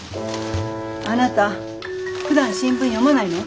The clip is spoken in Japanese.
あなたふだん新聞読まないの？